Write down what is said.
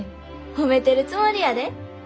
褒めてるつもりやで。